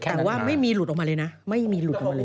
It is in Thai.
แต่ว่าไม่มีหลุดออกมาเลยนะไม่มีหลุดออกมาเลย